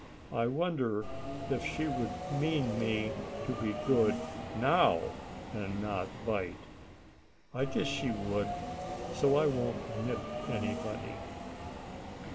"I wonder if she would mean me to be good now; and not bite. I guess she would, so I won't nip anybody."